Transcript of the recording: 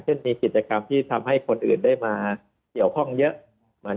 เช่นมีกิจกรรมที่ทำให้คนอื่นได้มาเกี่ยวข้องเยอะ